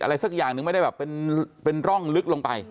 สักอย่างหนึ่งไม่ได้แบบเป็นร่องลึกลงไป